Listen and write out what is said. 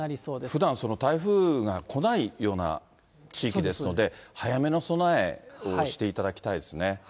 ふだん台風が来ないような地域ですので、早めの備えをしていただきたいですね。